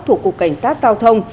thuộc cục cảnh sát giao thông